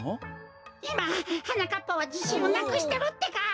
いまはなかっぱはじしんをなくしてるってか！